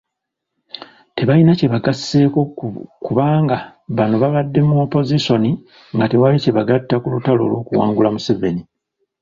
Tebalina kye baagasseeko kubanga bano babadde mu Opozisoni nga tewali kye bagatta ku lutalo lw'okuwangula Museveni.